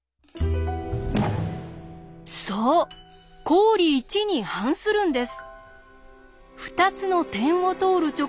そう公理１に反するんです！